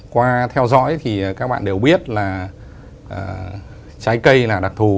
qua theo dõi thì các bạn đều biết là trái cây là đặc thù